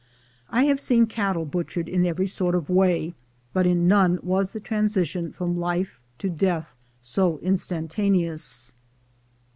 I have seen cattle butchered in every sort of way, but in none was the transition from life to death so instantaneous.